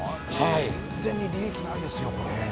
完全に利益ないですよ。